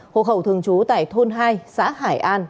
hộ khẩu thường trú tại thôn hai xã hải an